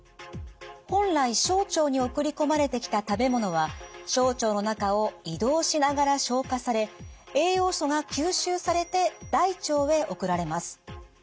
本来小腸に送り込まれてきた食べ物は小腸の中を移動しながら消化され栄養素が吸収されて大腸へ送られます。